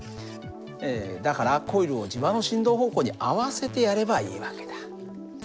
だからコイルを磁場の振動方向に合わせてやればいい訳だ。